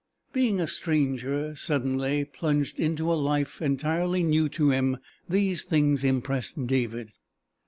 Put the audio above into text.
Being a stranger, suddenly plunged into a life entirely new to him, these things impressed David.